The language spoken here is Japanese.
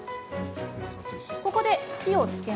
ここで火をつけます。